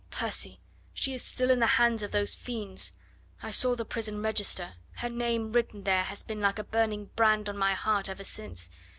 Percy! she is still in the hands of those fiends.... I saw the prison register; her name written there has been like a burning brand on my heart ever since.